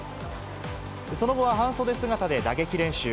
その後は半袖姿で打撃練習。